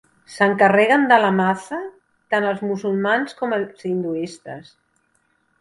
S'encarreguen de la "matha" tant els musulmans com els hinduistes.